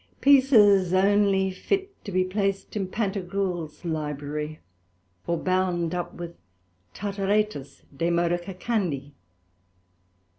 In Rabbelais.Pieces only fit to be placed in Pantagruel's Library, or bound up with Tartaretus, De modo Cacandi.